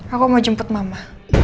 aku mau jemput mama